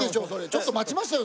ちょっと待ちましたよ